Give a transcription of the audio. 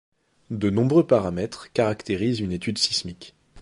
De nombreux paramètres caractérisent une étude sismique.